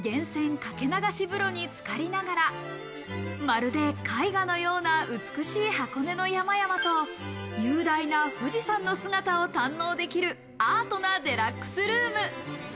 掛け流し風呂につかりながら、まるで絵画のような美しい箱根の山々と雄大な富士山の姿を堪能できるアートなデラックスルーム。